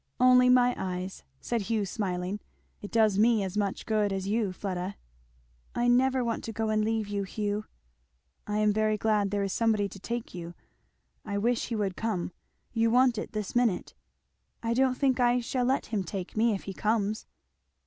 "Only my eyes," said Hugh smiling. "It does me as much good as you, Fleda." "I never want to go and leave you, Hugh." "I am very glad there is somebody to take you. I wish he would come. You want it this minute." "I don't think I shall let him take me if he comes."